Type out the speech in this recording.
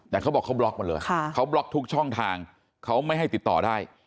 แต่เขาบอกเขาบล็อกมาเลยเขาบล็อกทุกช่องทางเขาไม่ให้ติดต่อได้